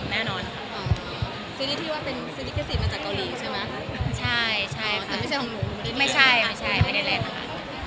ไม่ใช่ไม่ใช่ไม่ได้แรงนะคะ